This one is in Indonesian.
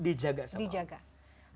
dijaga sama allah